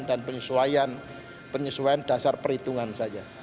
dan penyesuaian dasar perhitungan saja